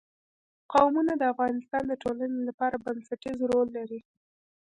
قومونه د افغانستان د ټولنې لپاره بنسټيز رول لري.